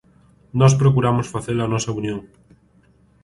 Nós procuramos facer a nosa unión.